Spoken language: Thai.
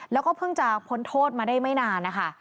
แล้วก็เพิ่งจะพ้นโทษมาได้ไม่นานนะคะ